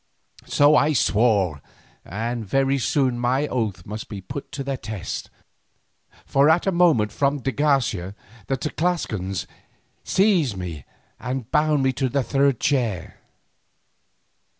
So I swore, and very soon my oath must be put to the test, for at a motion from de Garcia the Tlascalans seized me and bound me to the third chair.